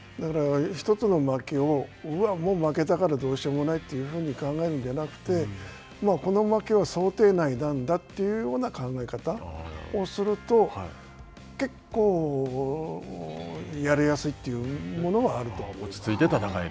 １つの負けを、もう負けたから、どうしようもないというふうに考えるんではなくて、この負けは想定内なんだという考え方をすると結構やりやすいというものがあると思います。